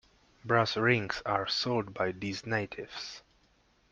Brass rings are sold by these natives.